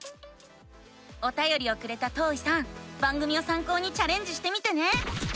おたよりをくれたとういさん番組をさん考にチャレンジしてみてね！